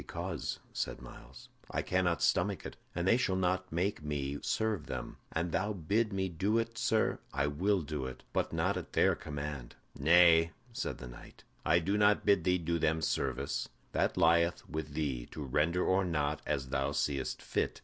"Because," said Myles, "I cannot stomach it, and they shall not make me serve them. An thou bid me do it, sir, I will do it; but not at their command." "Nay," said the knight, "I do not bid thee do them service. That lieth with thee, to render or not, as thou seest fit.